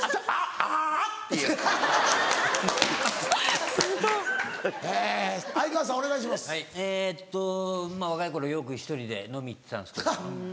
はいえっと若い頃よく１人で飲み行ってたんですけど。